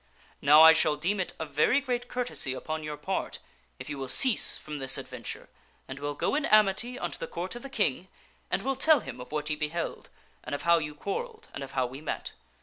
Now I shall deem it a very great courtesy upon your part if you will cease from this advent ure and will go in amity unto the Court of the King, and will tell him of what ye beheld and of how you quarrelled and of how we met.